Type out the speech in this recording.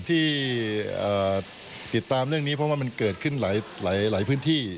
ที่ติดตามเรื่องนี้เพราะว่ามันเกิดขึ้นหลายพื้นที่